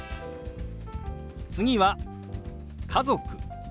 次は「家族」。